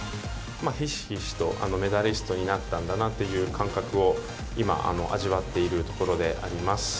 ひしひしとメダリストになったんだなっていう感覚を今、味わっているところであります。